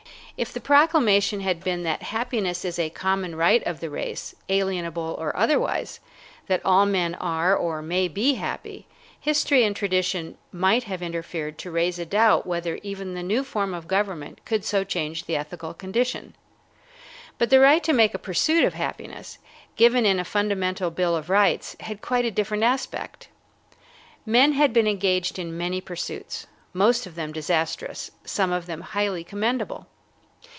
If the proclamation had been that happiness is a common right of the race, alienable or otherwise, that all men are or may be happy, history and tradition might have interfered to raise a doubt whether even the new form of government could so change the ethical condition. But the right to make a pursuit of happiness, given in a fundamental bill of rights, had quite a different aspect. Men had been engaged in many pursuits, most of them disastrous, some of them highly commendable.